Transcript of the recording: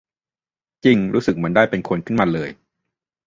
"จริง เหมือนรู้สึกได้เป็นคนขึ้นมาเลย"